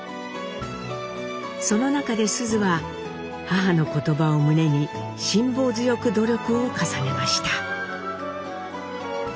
その中で須壽は母の言葉を胸に辛抱強く努力を重ねました。